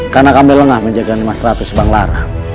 karena kami lengah menjaga nama ratu subang lara